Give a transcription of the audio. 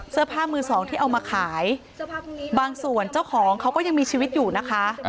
เสื้อผ้ามือสองที่เอามาขายบางส่วนเจ้าของเขาก็ยังมีชีวิตอยู่นะคะ